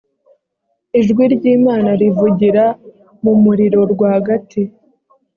ijwi ry’imana rivugira mu muriro rwagati